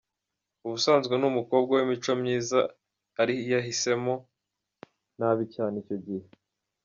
Ubusanzwe ni umukobwa w’imico myiza ari yahisemo nabi icyo gihe”.